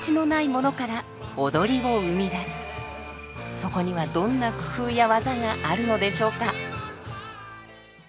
そこにはどんな工夫や技があるのでしょうか。